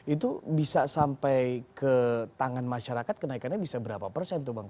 itu bisa sampai ke tangan masyarakat kenaikannya bisa berapa persen tuh bang